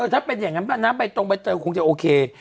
ถ้าเป็นอย่างนั้นป่ะนะใบตรงใบเตยคงจะโอเค